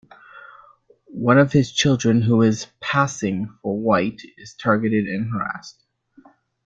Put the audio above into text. One of his children, who is "passing" for white, is targeted and harassed.